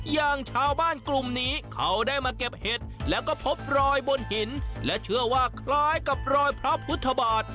อย่างชาวบ้านกลุ่มนี้เขาได้มาเก็บเห็ดแล้วก็พบรอยบนหินและเชื่อว่าคล้ายกับรอยพระพุทธบาท